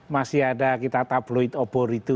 masih ada kita tabloid obor itu